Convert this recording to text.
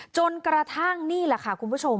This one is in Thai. จนกระทั่งนี่แหละค่ะคุณผู้ชม